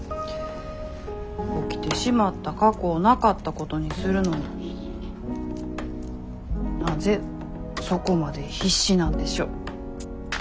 起きてしまった過去をなかったことにするのになぜそこまで必死なんでしょう。